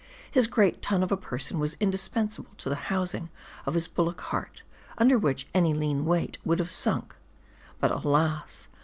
His great tun of a person was indispensable to the housing of his bullock heart ; under which, any lean wight would have sunk. But alas